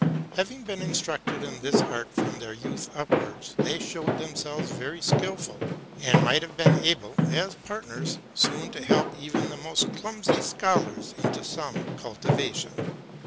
Having been instructed in this art from their youth upwards, they showed themselves very skil ful, and might have been able, as partners, soon to help even the most clumsy scholars into some cultivation.